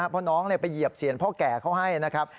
เพราะน้องไปเหยียบเซียนพ่อแก่เขาให้นะครับ